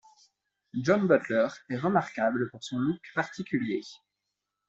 John Butler est remarquable pour son look particulier.